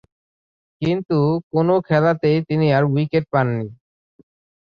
কিন্তু, কোন খেলাতেই তিনি আর উইকেট পাননি।